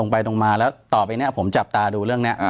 ไปตรงมาแล้วต่อไปเนี่ยผมจับตาดูเรื่องนี้